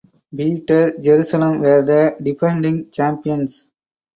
Beitar Jerusalem were the defending champions.